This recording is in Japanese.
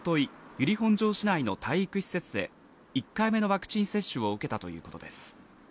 由利本荘市内の体育施設で１回目のワクチン接種を受けたということです